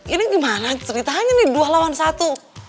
ini gimana ceritanya nih dua lawan satu